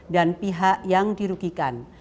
dan pihak yang dirugikan